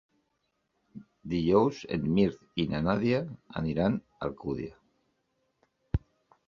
Dijous en Mirt i na Nàdia aniran a Alcúdia.